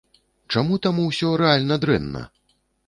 Чаму там усё рэальна дрэнна?!